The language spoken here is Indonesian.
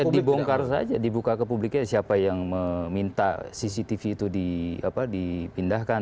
ya dibongkar saja dibuka ke publiknya siapa yang meminta cctv itu di apa dipindahkan